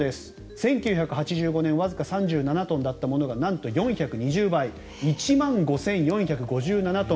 １９８５年わずか３７トンだったものがなんと４２０倍１万５４５７トン